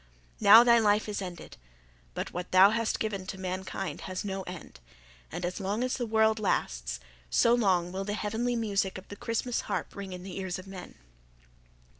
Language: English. Now thy life is ended; but what thou hast given to mankind has no end; and as long as the world lasts, so long will the heavenly music of the Christmas harp ring in the ears of men.